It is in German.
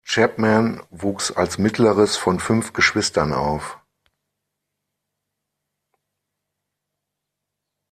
Chapman wuchs als mittleres von fünf Geschwistern auf.